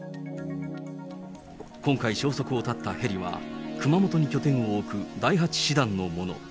今回消息を絶ったヘリは、熊本に拠点を置く第８師団のもの。